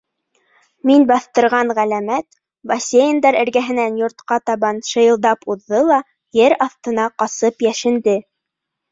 Мин баҫтырған ғәләмәт... бассейндар эргәһенән йортҡа табан шыйылдап уҙҙы ла ер аҫтына ҡасып йәшенде.